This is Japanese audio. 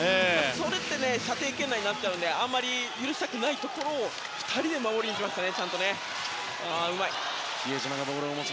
それって射程圏内になっちゃうのであまり許したくないところをちゃんと２人で守りに行きましたね。